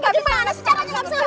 gimana sih caranya